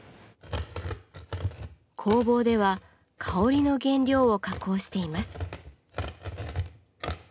工房では香りの原料を加工しています。